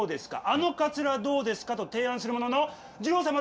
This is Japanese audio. あのかつらどうですか？」と提案するもののじろう様